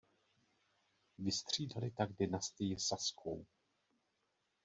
Vystřídali tak dynastii saskou.